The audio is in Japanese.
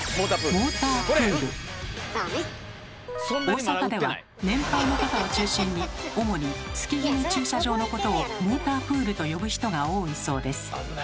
大阪では年配の方を中心に主に月極駐車場のことをモータープールと呼ぶ人が多いそうです。